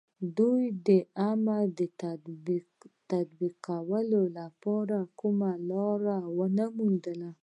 دوی د امر د تطبيقولو لپاره کومه لاره نه وه موندلې.